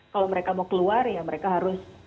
kalau mereka mau keluar ya mereka harus